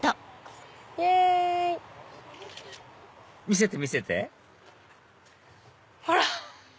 見せて見せてほら！